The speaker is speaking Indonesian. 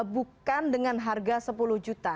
bukan dengan harga sepuluh juta